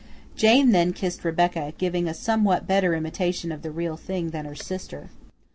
Jane then kissed Rebecca, giving a somewhat better imitation of the real thing than her sister.